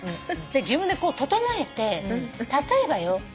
自分で整えて例えばよ